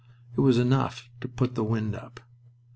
It was enough to "put the wind up."